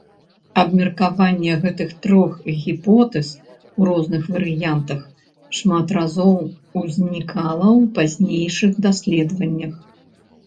Абмеркаванне гэтых трох гіпотэз, у розных варыянтах, шмат разоў узнікала ў пазнейшых даследаваннях.